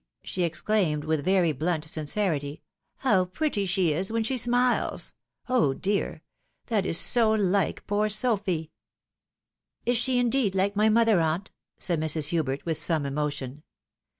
she exclaimed, with very blunt sincerity, "how pretty she is when she smiles ! Oh, dear ! that is so hke poor Sophy!" " Is she indeed like my mother, aunt ?" said Mrs. Hubert, with some emotion.